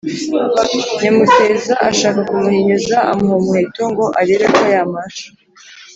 Nyamuteza ashaka kumuhinyuza; amuha umuheto ngo arebe ko yamasha